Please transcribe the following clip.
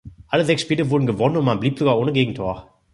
Alle sechs Spiele wurden gewonnen und man blieb sogar ohne Gegentor.